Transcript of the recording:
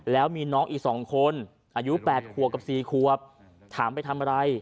แล้วมีน้องอีก๒คนอายุ๘ขวบกับ๔ขวบถามไปทำอะไร